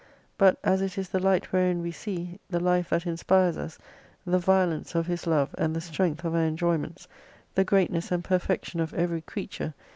But as it is the Light wherein we see, the Life that inspires us, the violence of His love, and the strength of our enjoy ments, the greatness and perfection of every creature.